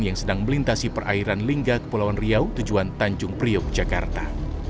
yang sedang melintasi perairan lingga kepulauan riau tujuan tanjung priok jakarta